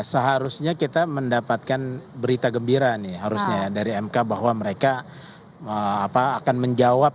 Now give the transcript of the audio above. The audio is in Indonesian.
seharusnya kita mendapatkan berita gembira nih harusnya ya dari mk bahwa mereka akan menjawab